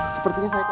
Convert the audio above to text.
sepertinya saya pak